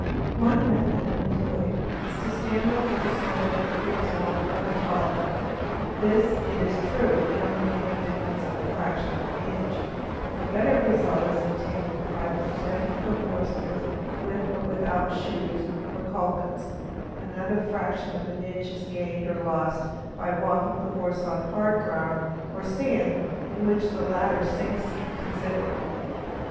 One method employed. is to stand the horse so that it appears longer and taller—this it is true can i i He ; y only make a difference of a fraction of an inch; a better result is obtained by presenting the horse with or without shoes or calkins ; another fraction of an inch is gained or lost by walking the horse on hard ground or sand (in which latter it sinks considerably).